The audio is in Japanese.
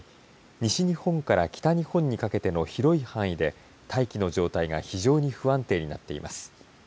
西日本から北日本にかけての広い範囲で大気の状態が非常に不安定になっています。